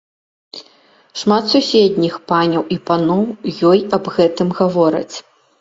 Шмат суседніх паняў і паноў ёй аб гэтым гавораць.